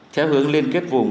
theo hướng liên kết vùng